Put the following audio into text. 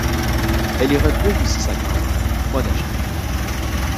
Elle y retrouve aussi sa grand-mère, Monashnouk.